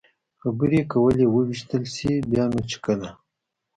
خبرې کولې، ووېشتل شي، بیا نو چې کله.